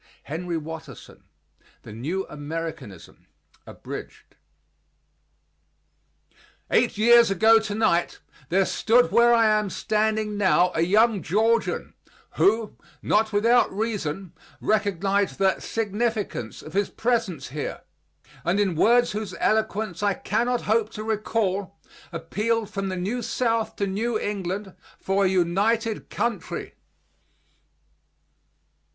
HENRY WATTERSON THE NEW AMERICANISM (Abridged) Eight years ago tonight, there stood where I am standing now a young Georgian, who, not without reason, recognized the "significance" of his presence here, and, in words whose eloquence I cannot hope to recall, appealed from the New South to New England for a united country.